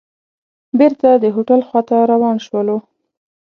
بېرته د هوټل خوا ته روان شولو.